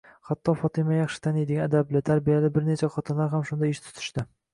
Hatto Fotima yaxshi taniydigan adabli, tarbiyali bir nechta xotinlar ham shunday ish tutishdi.